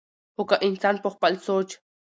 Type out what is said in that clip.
خو کۀ انسان پۀ خپل سوچ